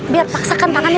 biar paksakan tangannya